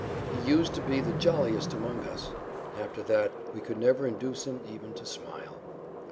He used to be the jolliest among us; after that we could never induce him even to smile.